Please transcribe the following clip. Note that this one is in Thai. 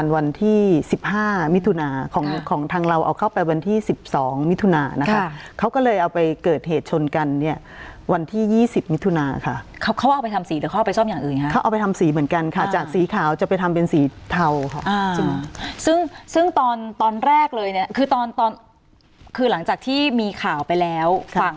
วันที่สิบห้ามิถุนาของของทางเราเอาเข้าไปวันที่สิบสองมิถุนานะคะเขาก็เลยเอาไปเกิดเหตุชนกันเนี่ยวันที่๒๐มิถุนาค่ะเขาเอาไปทำสีแต่เขาเอาไปซ่อมอย่างอื่นค่ะเขาเอาไปทำสีเหมือนกันค่ะจากสีขาวจะไปทำเป็นสีเทาค่ะซึ่งซึ่งตอนตอนแรกเลยเนี่ยคือตอนตอนคือหลังจากที่มีข่าวไปแล้วฝั่ง